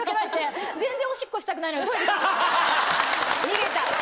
逃げた。